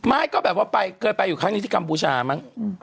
ไม่ก็แบบว่าไปเคยไปอยู่ครั้งนี้ที่กัมพูชามั้ง